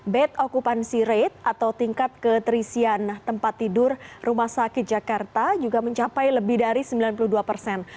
bed okupansi rate atau tingkat keterisian tempat tidur rumah sakit jakarta juga mencapai lebih dari sembilan puluh dua persen